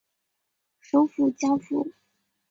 首府焦夫。